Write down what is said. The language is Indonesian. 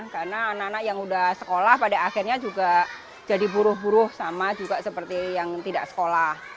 karena anak anak yang sudah sekolah pada akhirnya juga jadi buruh buruh sama juga seperti yang tidak sekolah